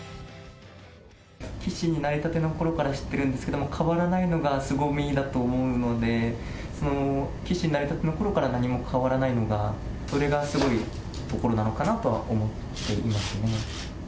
棋士になりたてのころから知ってるんですけども、変わらないのがすごみだと思うので、棋士になりたてのころから何も変わらないのが、それがすごいところなのかなとは思っていますね。